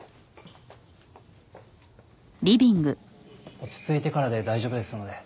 落ち着いてからで大丈夫ですので。